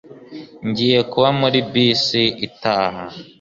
Ngiye kuba muri bisi itaha